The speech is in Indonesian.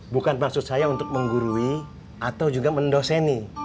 bukan maksud saya untuk menggurui atau juga mendoseni